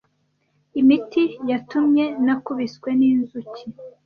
Imiti yatumye Nakubiswe n'inzuki !!